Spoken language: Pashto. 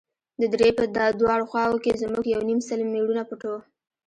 د درې په دواړو خواوو کښې زموږ يو يونيم سل مېړونه پټ وو.